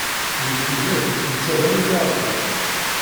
Deg tidet, netta d amilyaṛdiṛ.